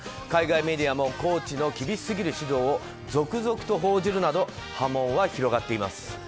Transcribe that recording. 海外メディアもコーチの厳しすぎる指導を続々と報じるなど波紋は広がっています。